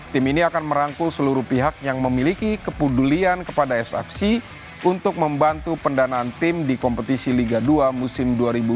tim ini akan merangkul seluruh pihak yang memiliki kepedulian kepada sfc untuk membantu pendanaan tim di kompetisi liga dua musim dua ribu dua puluh